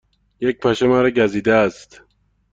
یک پشه مرا گزیده است.